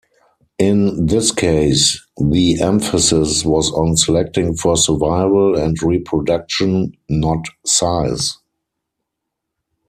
In this case, the emphasis was on selecting for survival and reproduction, not size.